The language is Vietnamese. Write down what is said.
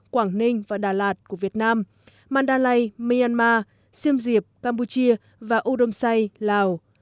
quảng ninh và đà lạt của việt nam mandalay myanmar siem reap campuchia và udomsai lào